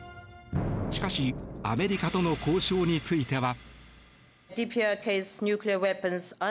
しかしアメリカとの交渉については。